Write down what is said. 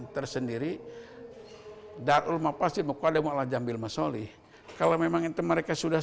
terima kasih tima kasih